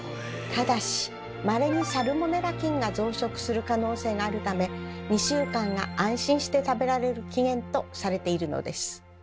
ただしまれにサルモネラ菌が増殖する可能性があるため２週間が安心して食べられる期限とされているのです。